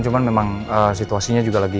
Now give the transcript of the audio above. cuman memang situasinya juga lagi